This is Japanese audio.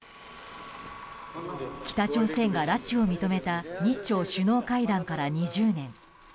北朝鮮が拉致を認めた日朝首脳会談から２０年。